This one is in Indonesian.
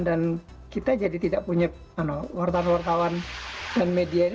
dan kita jadi tidak punya wartawan wartawan dan media ini